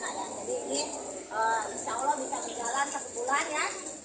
jadi ini insya allah bisa berjalan setelahnya